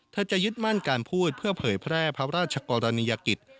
จะยึดมั่นการพูดเพื่อเผยแพร่พระราชกรณียกิจ